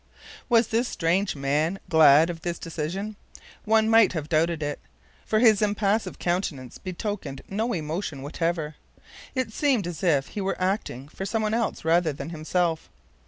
Was this strange man glad of this decision? One might have doubted it, for his impassive countenance betokened no emotion whatever. It seemed as if he were acting for someone else rather than himself.